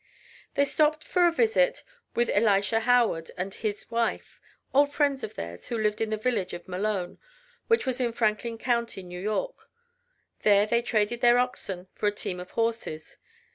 They stopped for a visit with Elisha Howard and his wife, old friends of theirs, who lived in the village of Malone, which was in Franklin County, New York. There they traded their oxen for a team of horses.